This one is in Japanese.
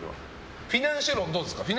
フィナンシェ論、どうですか？